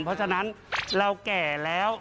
เพราะฉะนั้นเราแก่แล้ว